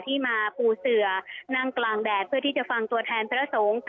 ที่มาปูเสือนั่งกลางแดดเพื่อที่จะฟังตัวแทนพระสงฆ์